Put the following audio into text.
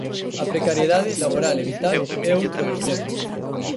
A precariedade, laboral e vital, é outro dos temas.